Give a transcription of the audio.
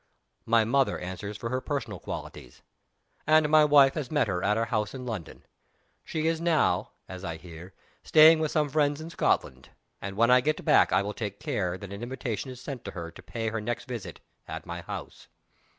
My mother answers for her personal qualities. And my wife has met her at our house in London. She is now, as I hear, staying with some friends in Scotland; and when I get back I will take care that an invitation is sent to her to pay her next visit at my house.